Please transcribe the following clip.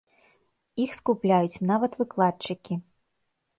Іх скупляюць нават выкладчыкі.